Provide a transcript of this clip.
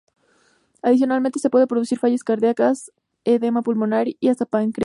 Adicionalmente se pueden producir fallas cardíacas, edema pulmonar y hasta pancreatitis.